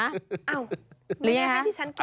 หรือไงคะ